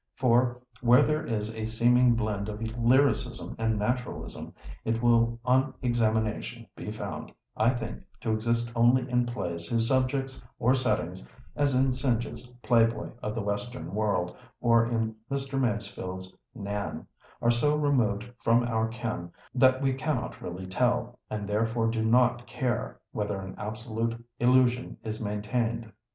For, where there is a seeming blend of lyricism and naturalism, it will on examination be found, I think, to exist only in plays whose subjects or settings—as in Synge's "Playboy of the Western World," or in Mr. Masefield's "Nan"—are so removed from our ken that we cannot really tell, and therefore do not care, whether an absolute illusion is maintained.